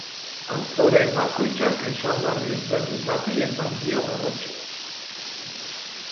Autore bakoitzak ezaugarri ezberdin bati ematen dio garrantzia.